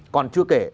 còn chưa kể